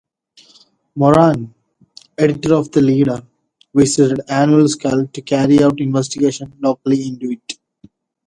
Moran, editor of the "Leader", visited Annascaul to carry out investigations locally into it.